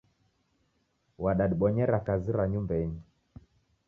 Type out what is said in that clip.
Wadadibonyera kazi ra nyumbenyi